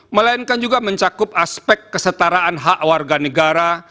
melainkan juga mencakup aspek kesetaraan hak warga negara